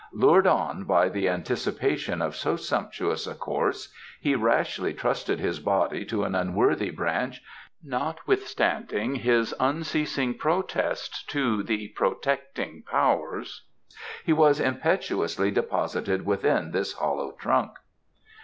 Lured on by the anticipation of so sumptuous a course, he rashly trusted his body to an unworthy branch, and the next moment, notwithstanding his unceasing protests to the protecting Powers, he was impetuously deposited within this hollow trunk."